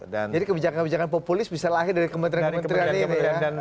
jadi kebijakan kebijakan populis bisa lahir dari kementerian kementerian ini ya